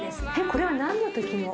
これは何の時の？